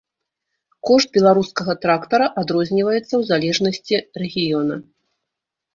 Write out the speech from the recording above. Кошт беларускага трактара адрозніваецца ў залежнасці рэгіёна.